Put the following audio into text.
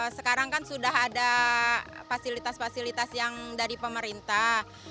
sekarang kan sudah ada fasilitas fasilitas yang dari pemerintah